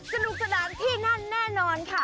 สนุกสนานที่นั่นแน่นอนค่ะ